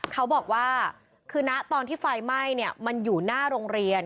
เขาบอกว่าคือนะตอนที่ไฟไหม้มันอยู่หน้าโรงเรียน